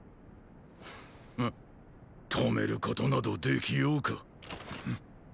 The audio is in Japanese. フッ止めることなどできようか。？